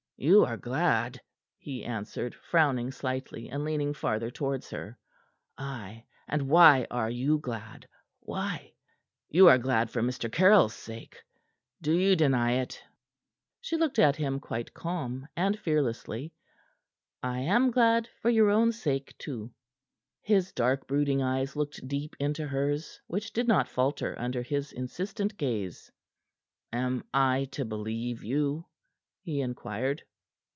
"You are glad," he answered, frowning slightly, and leaning farther towards her. "Ay, and why are you glad? Why? You are glad for Mr. Caryll's sake. Do you deny it?" She looked up at him quite calm and fearlessly. "I am glad for your own sake, too." His dark brooding eyes looked deep into hers, which did not falter under his insistent gaze. "Am I to believe you?" he inquired.